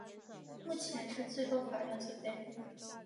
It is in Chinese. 目前是最高法院所在地。